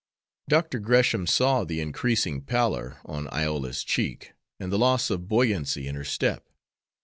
Dr. Gresham saw the increasing pallor on Iola's cheek and the loss of buoyancy in her step.